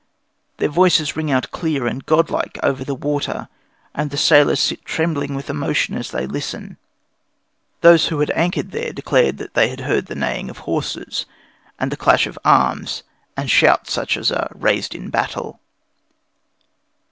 Their voices ring out clear and godlike over the water, and the sailors sit trembling with emotion as they listen. Those who had anchored there declared that they had heard the neighing of horses, and the clash of arms, and shouts such as are raised in battle.